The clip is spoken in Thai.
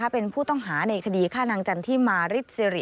เป็นผู้ต้องหาในคดีฆ่านางจันทิมาริ